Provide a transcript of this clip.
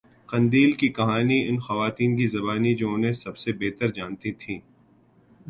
قندیل کی کہانی ان خواتین کی زبانی جو انہیں سب سےبہتر جانتی تھیں